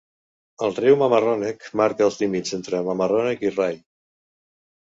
El riu Mamaroneck marca els límits entre Mamaroneck i Rye.